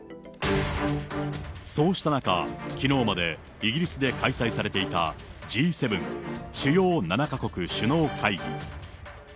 そうした中、きのうまでイギリスで開催されていたＧ７・主要７か国首脳会議。